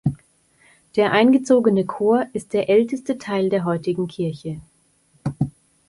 Der eingezogene Chor ist der älteste Teil der heutigen Kirche.